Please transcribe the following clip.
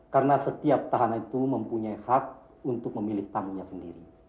karena setiap tahanan itu mempunyai hak untuk memilih tamunya sendiri